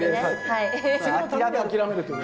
はい！